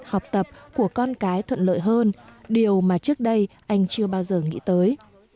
học tập của con cái thuận lợi hơn điều mà trước đây anh chưa bao giờ nghĩ tới